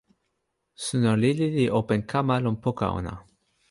suno lili li open kama lon poka ona.